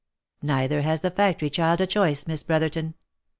" Neither has the factory child a choice, Miss Brotherton.